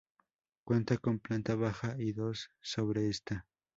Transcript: Cuenta con planta baja y dos sobre esta.